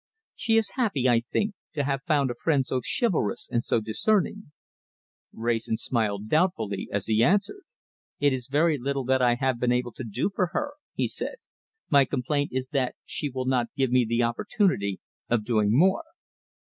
She is happy, I think, to have found a friend so chivalrous and so discerning." Wrayson smiled doubtfully as he answered. "It is very little that I have been able to do for her," he said. "My complaint is that she will not give me the opportunity of doing more."